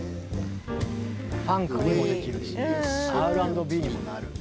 ファンクにもできるしＲ＆Ｂにもなる。